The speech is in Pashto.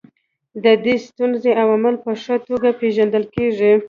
د دې ستونزې عوامل په ښه توګه پېژندل کیږي.